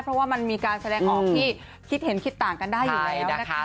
เพราะว่ามันมีการแสดงออกที่คิดเห็นคิดต่างกันได้อยู่แล้วนะคะ